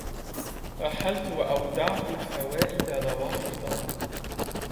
رحلت وأودعت الفؤاد لواحظا